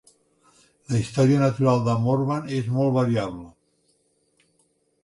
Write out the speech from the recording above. La història natural de Morvan és molt variable.